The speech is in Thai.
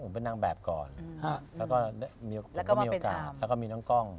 ผมเป็นนางแบบก่อนแล้วก็ผมก็มีโอกาสแล้วก็มีน้องกล้อง